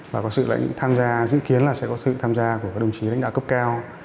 và có sự tham gia dự kiến là sẽ có sự tham gia của đồng chí đánh đạo cấp cao